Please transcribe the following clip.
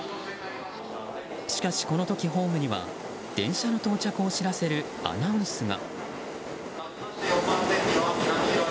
しかし、この時ホームには電車の到着を知らせるアナウンスが。